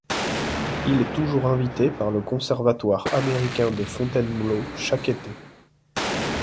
Il est toujours invité par le Conservatoire américain de Fontainebleau chaque été.